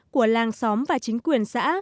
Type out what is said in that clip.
của làng xóm và chính quyền xã